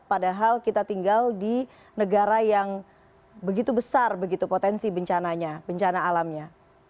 padahal kita tinggal di negara yang begitu besar begitu potensi bencananya bencana alamnya